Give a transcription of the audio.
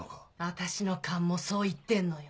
私の勘もそういってんのよ。